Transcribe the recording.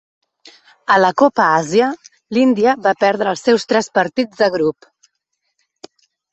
A la Copa Àsia, l'Índia va perdre els seus tres partits de grup.